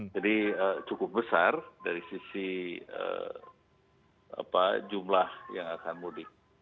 jadi cukup besar dari sisi jumlah yang akan mudik